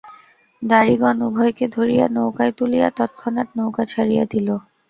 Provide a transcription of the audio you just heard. দাঁড়িগণ উভয়কে ধরিয়া নৌকায় তুলিয়া তৎক্ষণাৎ নৌকা ছাড়িয়া দিল।